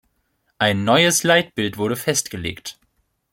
Ein neues Leitbild wurde festgelegt.